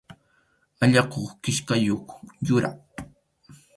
Allakuq kichkayuq yura.